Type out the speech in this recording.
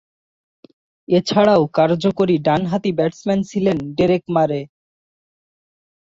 এছাড়াও কার্যকরী ডানহাতি ব্যাটসম্যান ছিলেন ডেরেক মারে।